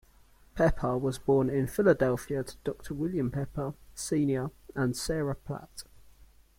Pepper was born in Philadelphia to Doctor William Pepper, Senior and Sarah Platt.